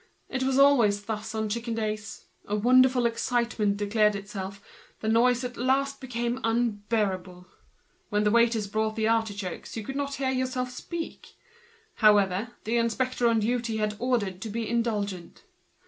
It was always thus on chicken days, a wonderful excitement declared itself, the noise at last became insupportable. When the waiters brought the artichokes one could not hear one's self speak. The inspector on duty had orders to be indulgent.